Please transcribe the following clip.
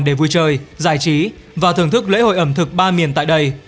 để vui chơi giải trí và thưởng thức lễ hội ẩm thực ba miền tại đây